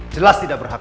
jelas tidak berhak